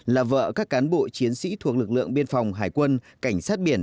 là vợ các cán bộ chiến sĩ thuộc lực lượng biên phòng hải quân cảnh sát biển